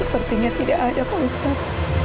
sepertinya tidak ada pak ustadz